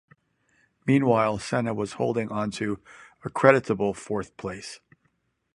Meanwhile, Senna was holding onto a creditable fourth place.